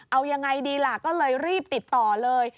เอายังไงดีล่ะก็เลยรีบติดต่อเลย